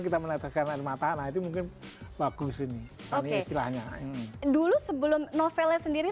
kita meneteskan air mata nah itu mungkin bagus ini istilahnya dulu sebelum novelnya sendiri